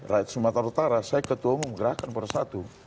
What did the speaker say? rakyat sumatera utara saya ketua umum gerakan per satu